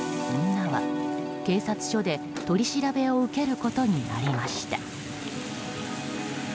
女は、警察署で取り調べを受けることになりました。